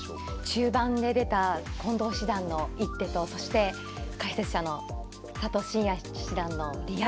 中盤で出た近藤七段の一手とそして解説者の佐藤紳哉七段のリアクションに注目です。